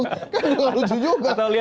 kan lucu juga